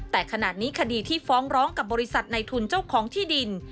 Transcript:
แต่ขณะนี้คดีที่ฟ้องร้องกับบริษัทในทุนเจ้าของที่ดิน